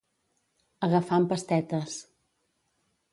Agafar amb pastetes.